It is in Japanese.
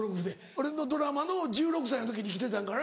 俺のドラマの１６歳の時に来てたんからな。